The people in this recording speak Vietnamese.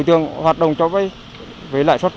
thật khôn lường